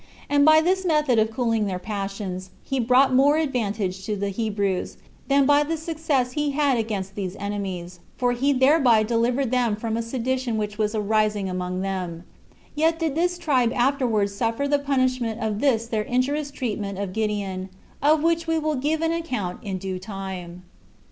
And by this method of cooling their passions, he brought more advantage to the Hebrews, than by the success he had against these enemies, for he thereby delivered them from a sedition which was arising among them; yet did this tribe afterwards suffer the punishment of this their injurious treatment of Gideon, of which we will give an account in due time.